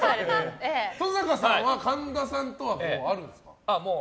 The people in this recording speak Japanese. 登坂さんは神田さんとはあるんですか？